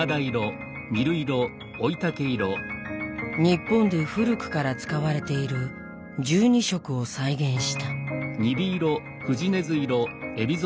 日本で古くから使われている１２色を再現した。